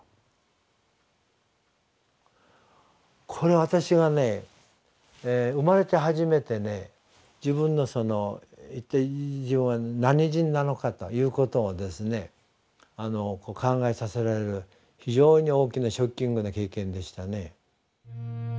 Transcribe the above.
これは私はね生まれて初めて自分の一体自分は何人なのかということを考えさせられる非常に大きなショッキングな経験でしたね。